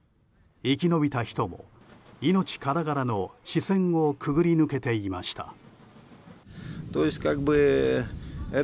生き延びた人も命からがらの死線を潜り抜けていました。